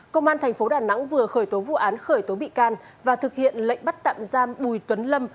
công an thành phố đà nẵng vừa khởi tố vụ án khởi tố bị can và thực hiện lệnh bắt tạm giam bùi tuấn lâm